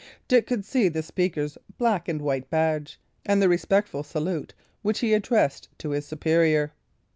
Dick could see the speaker's black and white badge, and the respectful salute which he addressed to his superior.